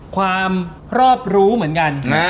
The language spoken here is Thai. ความรอบรู้เหมือนกัน